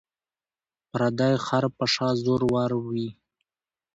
ـ پردى خر په شا زور ور وي.